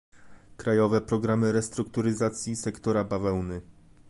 Krajowe programy restrukturyzacji sektora bawełny